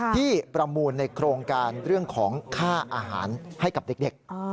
ประมูลในโครงการเรื่องของค่าอาหารให้กับเด็ก